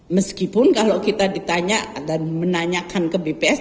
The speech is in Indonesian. meskipun kalau kita ditanya dan menanyakan ke bps